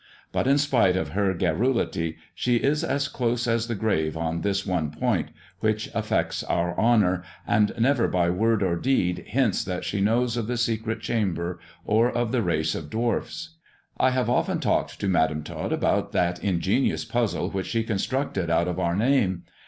But in spite of her garrulity, she is as close as the grave on this one point which affects our honour, and never by word or deed hints that she knows of the secret chamber, or of the race of dwarfs. ^* I have often talked to Madam Tot about that ingenious puzzle which she constructed out of our name.